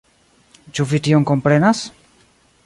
Ĉu vi tion komprenas?